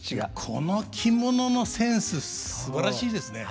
この着物のセンスすばらしいですね。